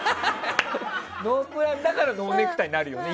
ノープランだからノーネクタイになるよね。